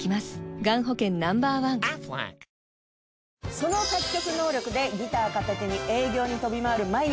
その作曲能力でギター片手に営業に飛び回る毎日。